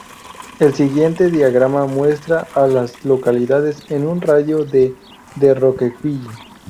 El siguiente diagrama muestra a las localidades en un radio de de Rockville.